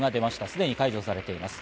すでに解除されています。